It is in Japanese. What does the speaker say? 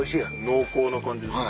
濃厚な感じですか？